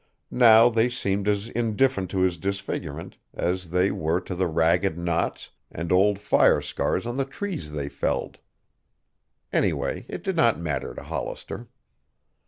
Now they seemed as indifferent to his disfigurement as they were to the ragged knots and old fire scars on the trees they felled. Anyway, it did not matter to Hollister.